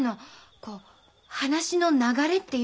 こう話の流れっていうか。